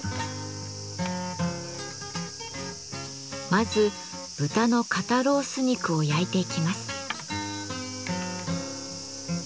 まず豚の肩ロース肉を焼いていきます。